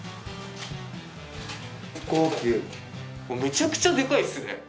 これめちゃくちゃデカいですね。